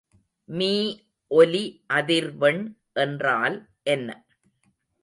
மீஒலி அதிர்வெண் என்றால் என்ன?